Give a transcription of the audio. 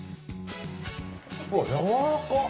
うわやわらかっ。